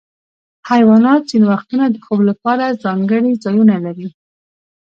حیوانات ځینې وختونه د خوب لپاره ځانګړي ځایونه لري.